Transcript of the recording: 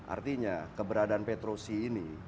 artinya keberadaan petrocy ini